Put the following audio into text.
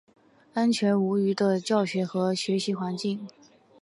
安全无虞的教学和学习环境